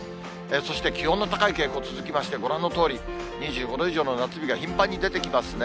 そして気温の高い傾向続きまして、ご覧のとおり、２５度以上の夏日が頻繁に出てきますね。